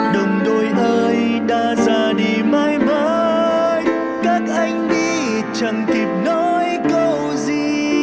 đồng đội ơi đã ra đi mãi mãi các anh đi chẳng kịp nói câu gì